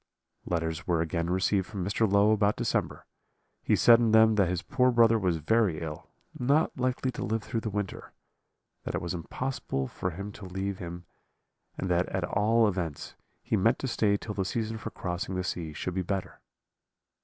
"Letters were again received from Mr. Low about December; he said in them that his poor brother was very ill, not likely to live through the winter; that it was impossible for him to leave him, and that at all events he meant to stay till the season for crossing the sea should be better.